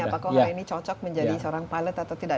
apakah hari ini cocok menjadi seorang pilot atau tidak